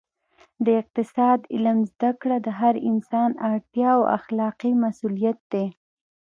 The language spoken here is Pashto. د اقتصاد علم زده کړه د هر انسان اړتیا او اخلاقي مسوولیت دی